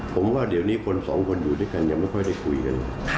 ผมว่าเดี๋ยวนี้คนสองคนอยู่ด้วยกันยังไม่ค่อยได้คุยกัน